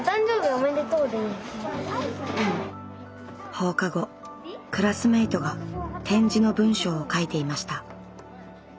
放課後クラスメートが点字の文章を書いていました。